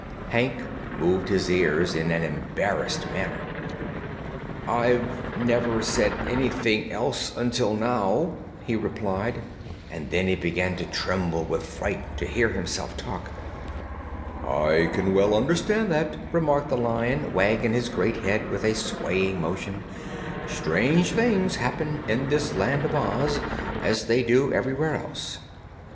Hank moved his ears in an embarrassed manner. "I have never said anything else, until now," he replied; and then he began to tremble with fright to hear himself talk. "I can well understand that," remarked the Lion, wagging his great head with a swaying motion. "Strange things happen in this Land of Oz, as they do everywhere else.